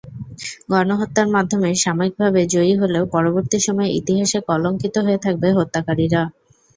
গণহত্যার মাধ্যমে সাময়িকভাবে জয়ী হলেও পরবর্তী সময়ে ইতিহাসে কলঙ্কিত হয়ে থাকবে হত্যাকারীরা।